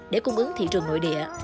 để cung ứng thị trường nội địa